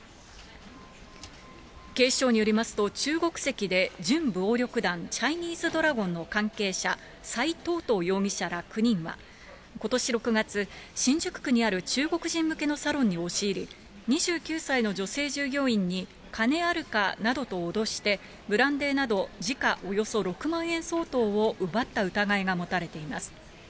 警視庁によりますと、中国籍で準暴力団、チャイニーズドラゴンの関係者、蔡東東容疑者ら９人はことし６月、新宿区にある中国人向けのサロンに押し入り、２９歳の女性従業員に金あるかなどと脅して、ブランデーなど時価およそ６万円相当を奪った疑いが持たれています。